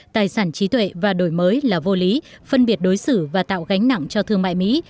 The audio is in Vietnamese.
tài sản trí tuệ và đổi mới là vô lý phân biệt đối xử và tạo gánh nặng cho thương mại mỹ